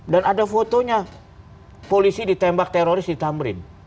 dan ada fotonya polisi ditembak teroris di tamrin